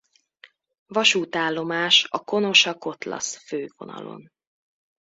Vasútállomás a Konosa–Kotlasz fővonalon.